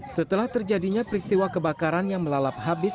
setelah terjadinya peristiwa kebakaran yang melalap habis